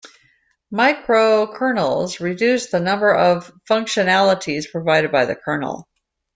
Microkernels reduce the number of functionalities provided by the kernel.